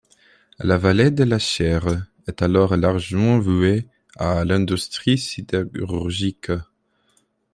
La vallée de la Chiers est alors largement vouée à l'industrie sidérurgique.